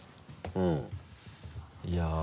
うん。いや。